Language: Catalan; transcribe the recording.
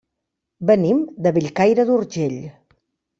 Venim de Bellcaire d'Urgell.